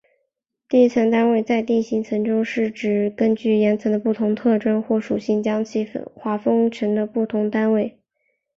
地层单位在地层学中是指根据岩层的不同特征或属性将其划分成的不同单位。